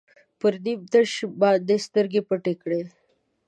پر نیم تش باندې سترګې پټې کړئ.